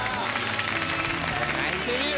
泣いてるよ